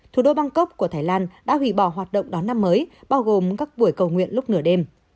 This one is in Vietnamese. thủ đô bangkok của thái lan đã hủy bỏ hoạt động đón năm mới bao gồm các buổi cầu nguyện lúc nửa đêm